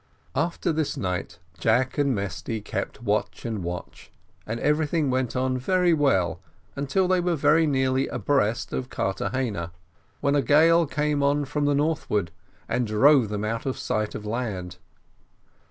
After this night Jack and Mesty kept watch and watch, and everything went on very well until they were nearly abreast of Carthagena, when a gale came on from the northward, and drove them out of sight of land.